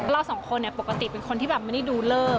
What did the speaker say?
เราสองคนปกติเป็นคนที่แบบไม่ได้ดูเริ่ม